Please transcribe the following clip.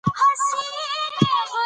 افغانستان کې د پسرلی په اړه زده کړه کېږي.